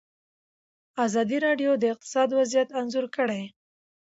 ازادي راډیو د اقتصاد وضعیت انځور کړی.